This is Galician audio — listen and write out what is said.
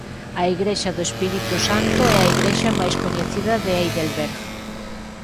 A igrexa do Espírito Santo é a igrexa máis coñecida de Heidelberg.